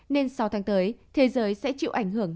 nên sáu tháng tới thế giới sẽ chịu ảnh hưởng